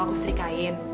mau aku setrikain